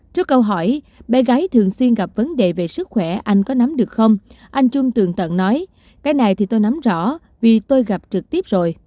trước câu hỏi bé gái thường xuyên gặp vấn đề về sức khỏe anh có nắm được không anh trung tường tận nói cái này thì tôi nắm rõ vì tôi gặp trực tiếp rồi